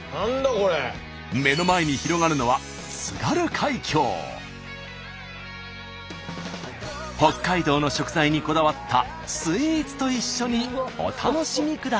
目の前に広がるのは北海道の食材にこだわったスイーツと一緒にお楽しみください。